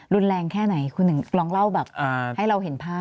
รุนแรงแค่ไหนคุณถึงลองเล่าแบบให้เราเห็นภาพ